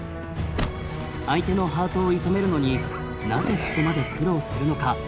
相手のハートを射止めるのになぜここまで苦労するのか。